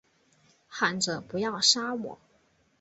喊着不要杀我